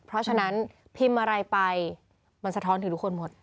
เพราะฉะนั้นพิมพ์อะไรไปมันสะท้อนถึงทุกคนหมด